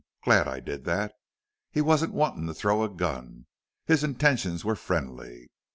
Glad I did that. He wasn't wantin' to throw a gun. His intentions were friendly.